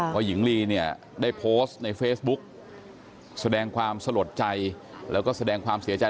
พอหญิงลีเนี่ยได้โพสต์ในเฟซบุ๊กแสดงความสลดใจแล้วก็แสดงความเสียใจ